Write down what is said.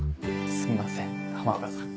すいません浜岡さん。